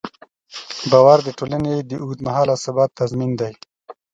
باور د ټولنې د اوږدمهاله ثبات تضمین دی.